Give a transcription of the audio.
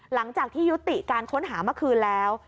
หลังจากที่ยุติการค้นหาเมื่อคืนแล้ว